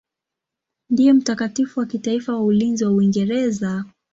Ndiye mtakatifu wa kitaifa wa ulinzi wa Uingereza.